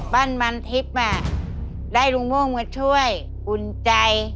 บ้านมันทิพย์ได้ลุงโม่งมาช่วยอุ่นใจ